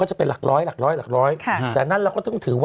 ใช่ถูกต้องนะคะ